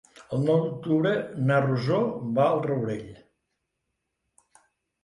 El nou d'octubre na Rosó va al Rourell.